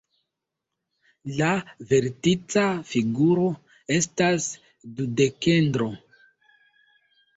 La vertica figuro estas dudekedro.